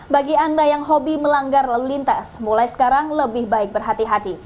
bagi anda yang hobi melanggar lalu lintas mulai sekarang lebih baik berhati hati